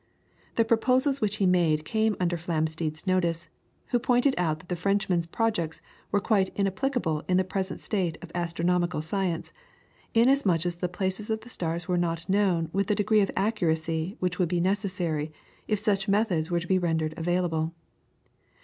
The proposals which he made came under Flamsteed's notice, who pointed out that the Frenchman's projects were quite inapplicable in the present state of astronomical science, inasmuch as the places of the stars were not known with the degree of accuracy which would be necessary if such methods were to be rendered available.